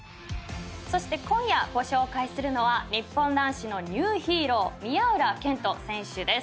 そして今夜ご紹介するのは日本男子のニューヒーロー宮浦健人選手です。